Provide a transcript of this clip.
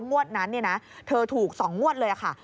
งวดนั้นเธอถูก๒งวดเลยค่ะ